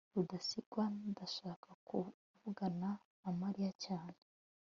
rudasingwa ndashaka kuvugana na mariya cyane